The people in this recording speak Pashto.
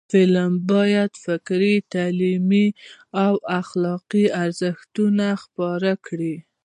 فلم باید فکري، تعلیمي او اخلاقی ارزښتونه خپاره کړي